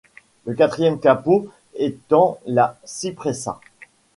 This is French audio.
Le quatrième capo étant la Cipressa.